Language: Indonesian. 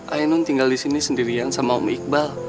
ainun tinggal disini sendirian sama om iqbal